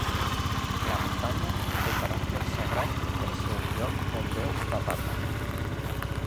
La muntanya té caràcter sagrat per ser un lloc on Déu va parlar.